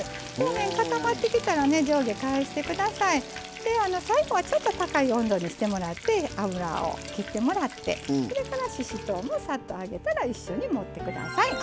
で最後はちょっと高い温度にしてもらって油を切ってもらってそれからししとうもさっと揚げたら一緒に盛ってください。